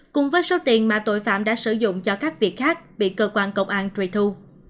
cùng với số tiền mà tội phạm đã sử dụng cho các việc khác bị cơ quan công an truy thu